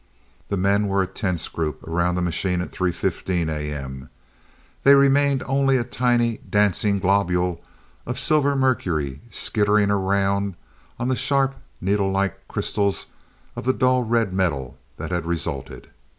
The men were a tense group around the machine at three fifteen A.M. There remained only a tiny, dancing globule of silvery mercury skittering around on the sharp, needle like crystals of the dull red metal that had resulted.